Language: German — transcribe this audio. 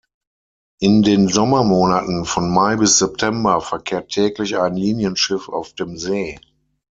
In den Sommermonaten von Mai bis September verkehrt täglich ein Linienschiff auf dem See.